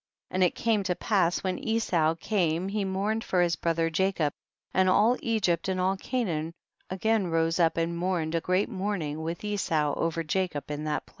48. And it came to pass, when Esau came he mourned for his bro ther Jacob, and all Egypt and all Canaan again rose up and mourned a great mourning with Esau over Ja cob in that place.